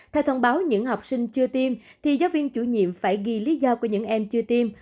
theo thông báo những học sinh chưa tiêm thì giáo viên chủ nhiệm phải ghi lý do của những em chưa tiêm